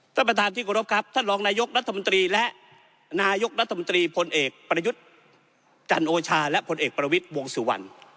ท่านประธานที่กรบครับท่านรองนายกรัฐมนตรีและนายกรัฐมนตรีพลเอกประยุทธ์จันโอชาและผลเอกประวิทย์วงสุวรรณ